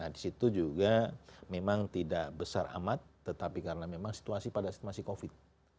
di situ juga memang tidak besar amat tetapi karena memang situasi pada situasi covid